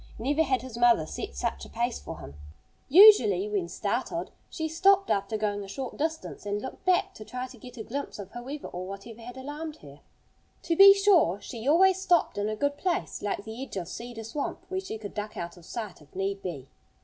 Never had his mother set such a pace for him. Usually, when startled, she stopped after going a short distance and looked back to try to get a glimpse of whoever or whatever had alarmed her. To be sure, she always stopped in a good place, like the edge of Cedar Swamp, where she could duck out of sight if need be.